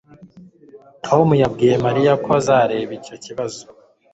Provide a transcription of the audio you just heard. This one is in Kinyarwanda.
Tom yabwiye Mariya ko azareba icyo kibazo